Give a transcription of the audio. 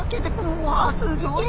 うわすギョい。